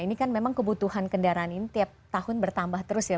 ini kan memang kebutuhan kendaraan ini tiap tahun bertambah terus ya